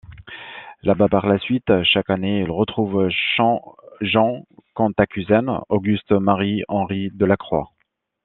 Là-bas, par la suite, chaque année, il retrouve Jean Cantacuzène, Auguste Marie, Henri Delacroix.